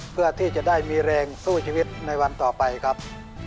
เพื่อที่จะได้มีแรงสู้ชีวิตในวันต่อไปครับ